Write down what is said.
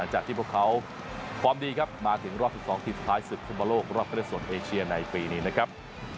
จากที่พวกเขาพร้อมดีครับมาถึงรอบ๑๒ที่สุดท้ายศุภาโลกรอบเทศส่วนเอเชียในปีนี้นะครับ